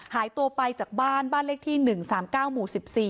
หายตัวไปจากบ้านบ้านเลขที่๑๓๙หมู่๑๔